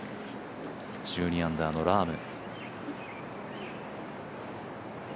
１２アンダーのラーム。